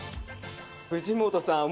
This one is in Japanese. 藤本さん